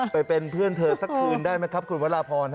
ไปเป็นเพื่อนเธอสักคืนได้ไหมครับคุณวราพร